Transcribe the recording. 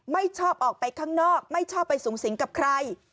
ไม่ชอบออกไปข้างนอกไม่ชอบไปสูงสิงกับใคร